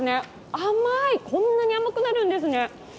甘い、こんなに甘くなるんですね。